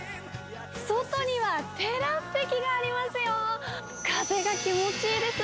外にはテラス席がありますよ。